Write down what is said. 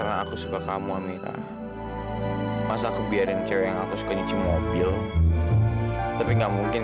hai karena aku suka kamu amirah masa aku lihat yang aku suka nyucu mobil tapi nggak mungkin